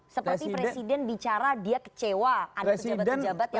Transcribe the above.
seperti presiden bicara dia kecewa ada pejabat pejabat yang